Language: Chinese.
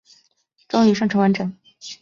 终于上传完成了